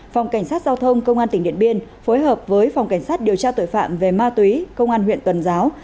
phòng cảnh sát giao thông công an tỉnh điện biên phối hợp với phòng cảnh sát điều tra tội phạm về ma túy công an huyện tuần giáo